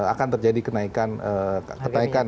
akan terjadi kenaikan